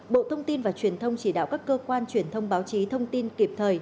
bộ thông tin và truyền thông chỉ đạo các cơ quan truyền thông báo chí thông tin kịp thời